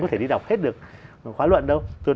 có thể đi đọc hết được khóa luận đâu